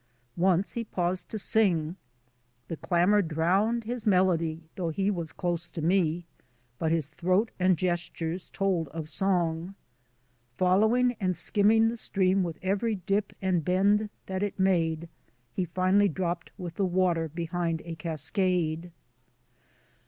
Once he paused to ioo THE ADVENTURES OF A NATURE GUIDE sing. The clamour drowned his melody, though he was close to me, but his throat and gestures told of song. Following and skimming the stream with every dip and bend that it made, he finally dropped with the water behind a cascade.